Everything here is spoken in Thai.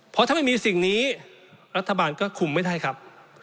เพราะถ้าไม่มีสิ่งนี้รัฐบาลก็คุมไม่ได้ครับ